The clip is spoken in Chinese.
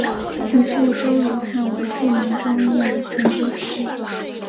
其父周汝汉为著名中医与针灸师。